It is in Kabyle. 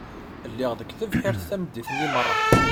Lliɣ deg tebḥirt tameddit-nni meṛṛa.